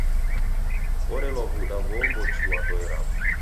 Orelwa w'uda ghoombochua ndoe raw'o.